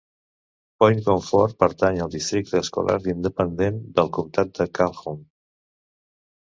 Point Comfort pertany al districte escolar independent del Comtat de Calhoun.